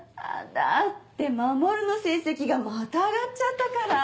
だって守の成績がまた上がっちゃったから。